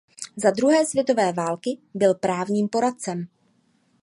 Za druhé světové války byl právním poradcem.